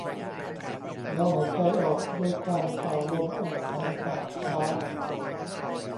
แล้วหายใจออกด้วยการเป่าลมออกทางปากช้า